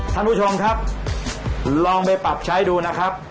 ท่านผู้ชมครับลองไปปรับใช้ดูนะครับ